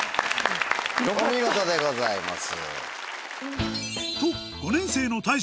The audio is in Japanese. お見事でございます。